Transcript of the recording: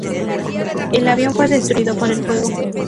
El avión fue destruido por el fuego.